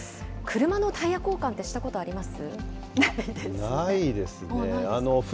車のタイヤ交換ってしたことあります？